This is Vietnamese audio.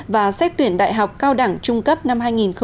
và xét tuyển đại học cao đẳng trung cấp năm hai nghìn một mươi chín